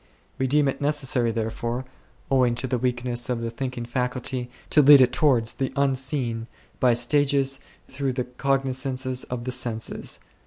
We deem it necessary therefore, owing to this weak ness of the thinking faculty, to lead it towards the Unseen by stages through the cognizances of the senses.